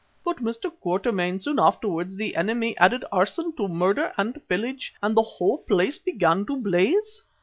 But, Mr. Quatermain, soon afterwards the enemy added arson to murder and pillage, and the whole place began to blaze.